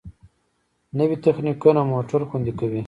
نوې تخنیکونه موټر خوندي کوي.